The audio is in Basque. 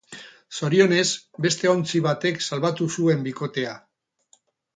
Zorionez, beste ontzi batek salbatu zuen bikotea.